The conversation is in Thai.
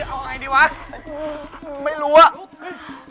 เข้ามาถ่วงเขยิบด้วย